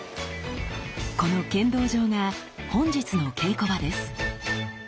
この剣道場が本日の稽古場です。